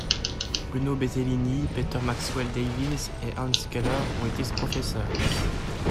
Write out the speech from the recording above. Bruno Bettinelli, Peter Maxwell Davies et Hans Keller ont été ses professeurs.